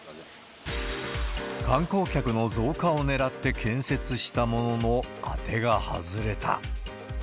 観光客の増加をねらって建設したものの、当てが外れた。